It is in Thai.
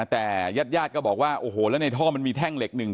แต่ญาติญาติก็บอกว่าโอ้โหแล้วในท่อมันมีแท่งเหล็กหนึ่ง